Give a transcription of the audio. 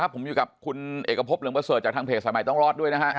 ผมอยู่กับคุณเอกพบเหลืองประเสริฐจากทางเพจสายใหม่ต้องรอดด้วยนะฮะ